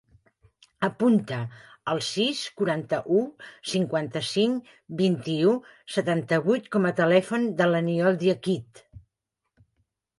Apunta el sis, quaranta-u, cinquanta-cinc, vint-i-u, setanta-vuit com a telèfon de l'Aniol Diakite.